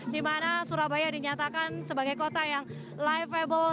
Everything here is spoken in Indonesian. dimana surabaya dinyatakan sebagai kota yang livable